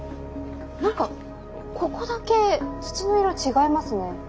何かここだけ土の色違いますね。